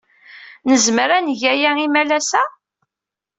Nezmer ad neg aya imalas-a?